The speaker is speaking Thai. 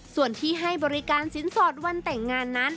ส่วนที่ให้บริการสินสอดวันแต่งงานนั้น